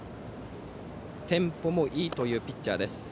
テンポもいいピッチャーです。